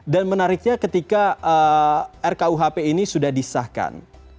dan menariknya ketika rkuhp ini sudah disahkan